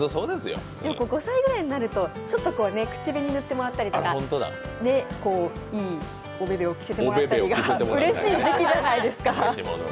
５歳くらいになると、ちょっと口紅塗ってもらったりとか、いいおべべを着せてもらってうれしい時期じゃないですか。